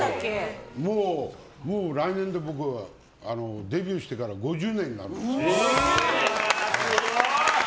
もう来年で僕デビューしてから５０年になるんです。